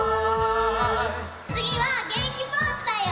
つぎはげんきポーズだよ！